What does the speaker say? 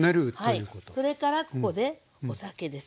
それからここでお酒です。